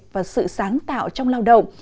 và sự sáng tạo trong lao động